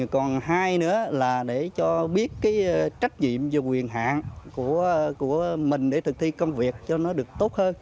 còn hai nữa là để cho biết cái trách nhiệm và quyền hạn của mình để thực thi công việc cho nó được tốt hơn